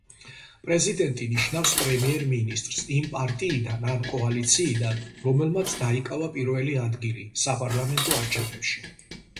პრეზიდენტი ნიშნავს პრემიერ-მინისტრს იმ პარტიიდან ან კოალიციიდან, რომელმაც დაიკავა პირველი ადგილი საპარლამენტო არჩევნებში.